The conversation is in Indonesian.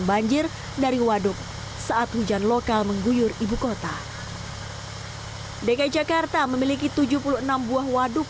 banjir dari waduk saat hujan lokal mengguyur ibukota dki jakarta memiliki tujuh puluh enam buah waduk